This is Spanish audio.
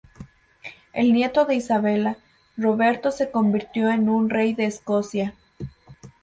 El nieto de Isabella, Roberto se convirtió en rey de Escocia.